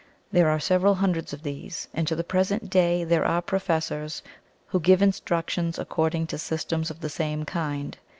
There are several hundreds of these, and to the present day there are professors who give instructions according to systems of the same kind.